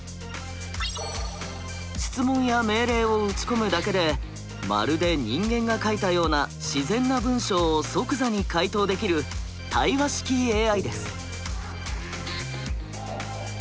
質問や命令を打ち込むだけでまるで人間が書いたような自然な文章を即座に回答できる対話式ＡＩです。